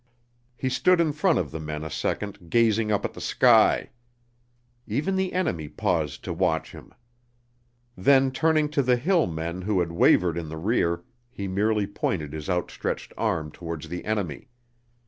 He stood in front of the men a second gazing up at the sky. Even the enemy paused to watch him. Then turning to the hill men who had wavered in the rear, he merely pointed his outstretched arm towards the enemy.